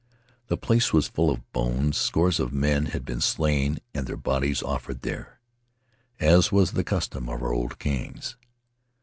The place was full of bones; scores of men had been slain and their bodies offered there, as was the custom of our old kings.